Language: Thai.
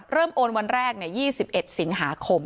เริ่มโอนวันแรกเนี่ย๒๑สิงหาคม